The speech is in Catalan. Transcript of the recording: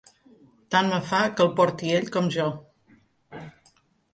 Tant me fa que el porti ell com jo.